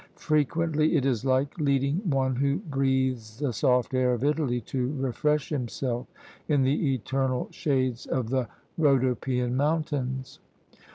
Frequently it is like leading one who breathes the soft air of Italy to refresh himself in the eternal shades of the Rhodopean mountains.